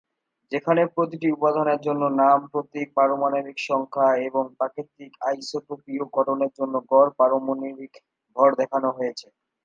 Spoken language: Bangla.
যেখানে প্রতিটি উপাদানের জন্য নাম, প্রতীক, পারমাণবিক সংখ্যা, এবং প্রাকৃতিক আইসোটোপিয় গঠনের জন্য গড় পারমাণবিক ভর দেখানো হয়েছে।